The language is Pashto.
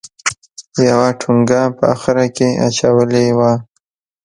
یوه ټونګه په اخره کې اچولې وه.